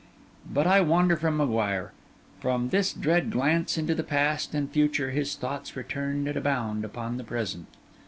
But I wander from M'Guire. From this dread glance into the past and future, his thoughts returned at a bound upon the present.